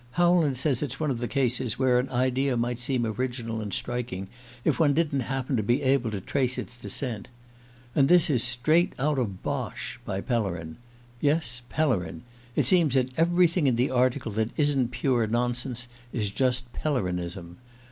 Howland says it's one of the cases where an idea might seem original and striking if one didn't happen to be able to trace its descent. And this is straight out of bosh by Pellerin. ... Yes: Pellerin. It seems that everything in the article that isn't pure nonsense is just Pellerinism.